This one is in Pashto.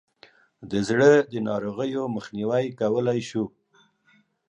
د زړه ناروغیو مخنیوی کولای شو.